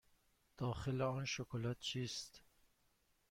داخل آن شکلات چیست؟